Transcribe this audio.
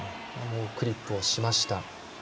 クリップをしました。